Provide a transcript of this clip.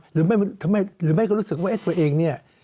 หรือไม่ก็รู้สึกว่าตัวเองเนี่ย